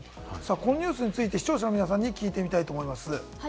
このニュースについて視聴者の皆さんに聞いてみたいと思います。